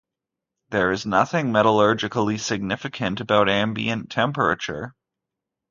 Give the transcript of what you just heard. There is nothing metallurgically significant about ambient temperature.